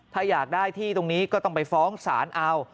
ถ้าอยากได้ที่ตรงนี้ก็ต้องไปฟ้องศาลเอา